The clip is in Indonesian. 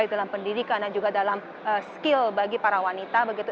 dalam pendidikan dan juga dalam skill bagi para wanita begitu